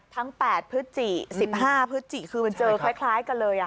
ทั้ง๘พฤศจิ๑๕พฤศจิคือมันเจอคล้ายกันเลย